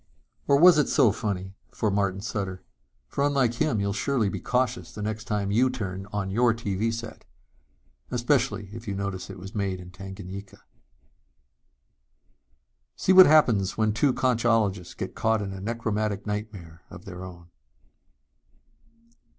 Or was it so funny for Martin Sutter? For, unlike him, you'll surely be cautious the next time you turn on your TV set especially if you notice it was made in Tanganyika._ made in tanganyika by ... Carl Jacobi See what happens when two conchologists get caught in a necromantic nightmare of their own.